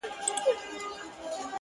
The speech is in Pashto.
چي ولاړ سې تر بلخه، در سره ده خپله برخه.